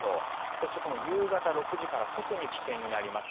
そして夕方６時から特に危険になります。